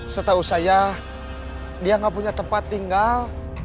setahu saya dia nggak punya tempat tinggal